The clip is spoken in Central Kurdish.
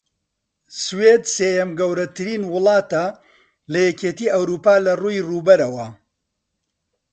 سوێد سێیەم گەورەترین وڵاتە لە یەکێتی ئەوڕوپا لەڕووی ڕووبەرەوە